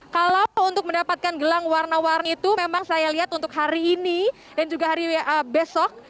kalau untuk mendapatkan gelang warna warna itu memang saya lihat untuk hari ini dan juga hari besok